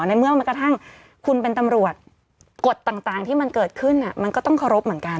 ในเมื่อมันกระทั่งคุณเป็นตำรวจกฎต่างที่มันเกิดขึ้นมันก็ต้องเคารพเหมือนกัน